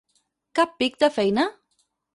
Cap pic de feina?”